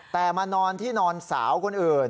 แต่มานอนที่นอนสาวคนอื่น